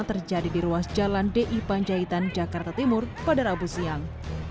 terjadi di ruas jalan di panjaitan jakarta timur pada rabu siang